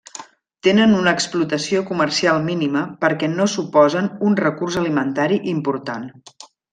Tenen una explotació comercial mínima perquè no suposen un recurs alimentari important.